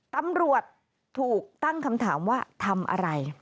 ตำรวจถูกตั้งคำถามว่าทำอะไร